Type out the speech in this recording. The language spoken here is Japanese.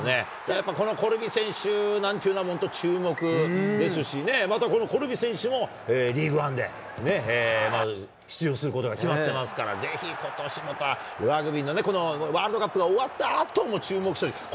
やっぱり、コルビ選手なんていうのは本当、注目ですしね、また、このコルビ選手もリーグワンで出場することが決まってますから、ぜひことしまた、ラグビーのね、ワールドカップが終わったあとも注目したいです。